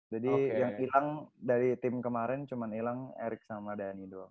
jadi yang hilang dari tim kemaren cuma hilang eric sama dany doang